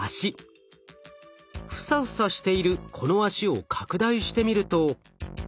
フサフサしているこの脚を拡大してみると。